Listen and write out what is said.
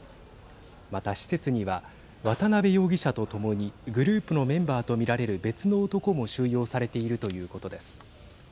また、施設には渡邉容疑者と共にグループのメンバーと見られる別の男も収容されているということです。